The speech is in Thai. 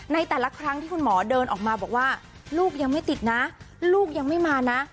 ในแต่ละครั้งที่คุณหมอเดินออกมาบอกว่าลูกยังไม่ติดนะลูกยังไม่มานะ